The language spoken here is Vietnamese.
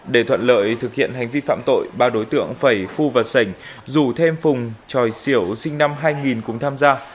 để thuận lợi thực hiện hành vi phạm tội ba đối tượng phẩy phu và sảnh rủ thêm phùng tròi siểu sinh năm hai nghìn cùng tham gia